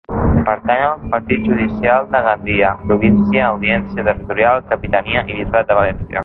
Pertany al Partit Judicial de Gandia, Província, Audiència Territorial, Capitania i Bisbat de València.